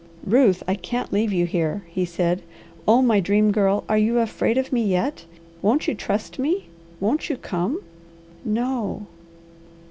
"Ruth, I can't leave you here," he said. "Oh my Dream Girl! Are you afraid of me yet? Won't you trust me? Won't you come?" "No."